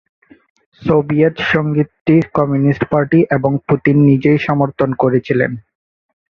Soviet সংগীতটি communist party এবং Putin নিজেই সমর্থন করেছিলেন।